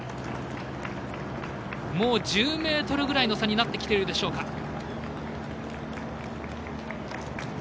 もう１０ｍぐらいの差になってきているでしょうか。